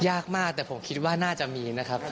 ยากมากแต่ผมคิดว่าน่าจะมีนะครับ